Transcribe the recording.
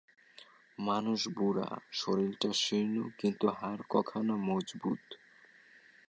মানুষ বুড়া, শরীরটা শীর্ণ, কিন্তু হাড় কখানা মজবুত।